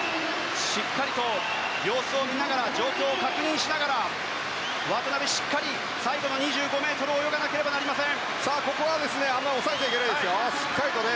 しっかり様子を見ながら状況を確認しながら渡辺、しっかり最後の２５ｍを泳がなければなりません。